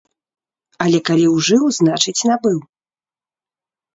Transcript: Але калі ужыў, значыць, набыў.